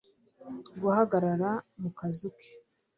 Guhagarara mu kazu ke